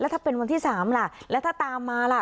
ถ้าเป็นวันที่๓ล่ะแล้วถ้าตามมาล่ะ